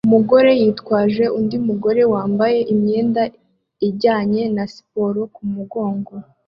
Umugore witwaje undi mugore wambaye imyenda ijyanye na siporo kumugongo